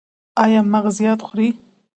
ایا مغزيات خورئ؟